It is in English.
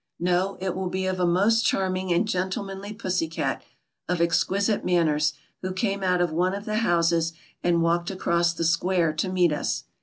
No, it will be of a most charming and gentle manly pussy cat, of exquisite manners, who came out of one of the houses and walked across the square to meet us.